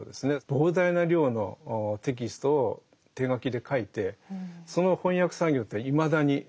膨大な量のテキストを手書きで書いてその翻訳作業というのはいまだに続いてるんですね。